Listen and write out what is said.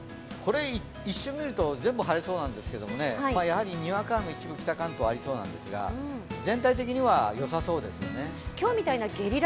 一瞬見ると全部晴れそうなんですけど、にわか雨、一部、北関東ありそうなんですが、全体的にはよさそうですよね。